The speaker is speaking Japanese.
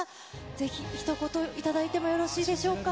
ぜひひと言、頂いてもよろしいでしょうか。